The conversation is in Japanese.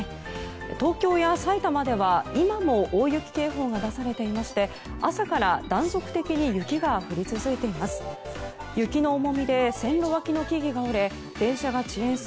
東京や埼玉では今も大雪警報が出されていまして朝から断続的に雪が降り続いています。